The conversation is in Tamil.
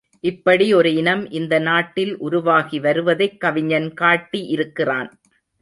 இப்படி ஒரு இனம் இந்த நாட்டில் உருவாகி வருவதைக் கவிஞன் காட்டி இருக்கிறான்.